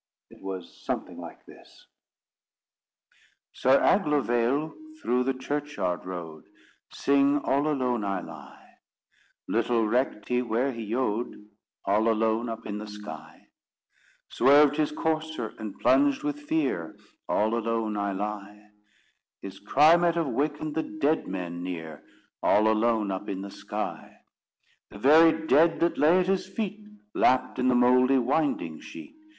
It was something like this: Sir Aglovaile through the churchyard rode; Sing, All alone I lie: Little recked he where'er he yode, All alone, up in the sky. Swerved his courser, and plunged with fear All alone I lie: His cry might have wakened the dead men near, All alone, up in the sky. The very dead that lay at his feet, Lapt in the mouldy winding sheet.